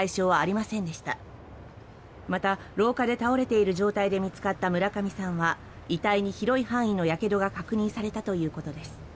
また、廊下で倒れている状態で見つかった村上さんは遺体に広い範囲のやけどが確認されたということです。